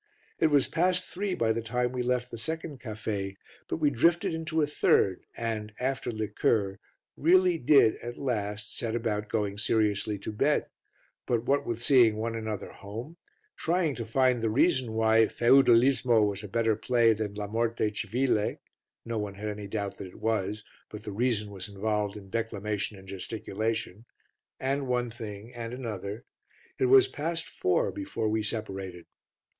It was past three by the time we left the second caffe, but we drifted into a third and, after liqueur, really did at last set about going seriously to bed; but what with seeing one another home, trying to find the reason why Feudalismo was a better play than La Morte Civile (no one had any doubt that it was, but the reason was involved in declamation and gesticulation) and one thing and another, it was past four before we separated.